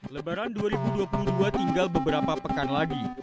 lebaran dua ribu dua puluh dua tinggal beberapa pekan lagi